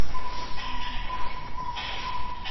که عاجزي ونه لرې نو خلک به دې خوښ نه کړي.